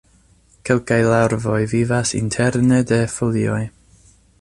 Kelkaj larvoj vivas interne de folioj.